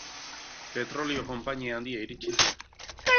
Petrolio-konpainia handia iritsi zen.